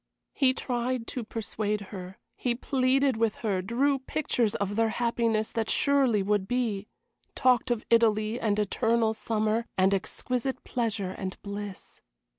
He tried to persuade her, he pleaded with her, drew pictures of their happiness that surely would be, talked of Italy and eternal summer and exquisite pleasure and bliss.